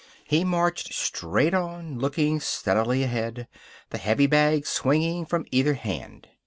He marched straight on, looking steadily ahead, the heavy bags swinging from either hand.